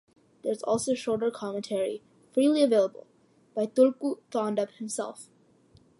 There is also a shorter commentary, freely available, by Tulku Thondup himself.